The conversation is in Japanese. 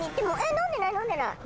飲んでない、飲んでない。